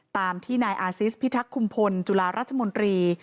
ตามที่นายอาซิสพิทักษ์คุมพลจุฬาราชมนตรี